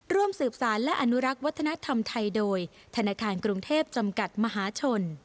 ร่วมสืบสารและอนุรักษ์วัฒนธรรมไทยโดยธนาคารกรุงเทพจำกัดมหาชน